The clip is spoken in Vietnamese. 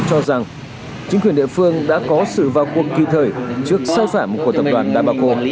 cho rằng chính quyền địa phương đã có sự vào cuộc kỳ thời trước xe phạm của tập đoàn đa bà cô